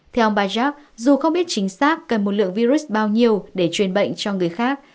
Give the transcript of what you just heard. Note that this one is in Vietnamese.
theo bà jac dù không biết chính xác cần một lượng virus bao nhiêu để truyền bệnh cho người khác